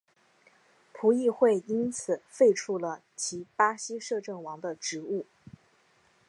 葡议会因此废黜了其巴西摄政王的职务。